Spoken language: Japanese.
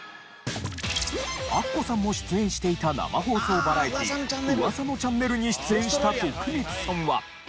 アッコさんも出演していた生放送バラエティー『うわさのチャンネル！！』に出演した徳光さんは。